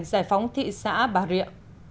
giải phóng thị xã bà rịa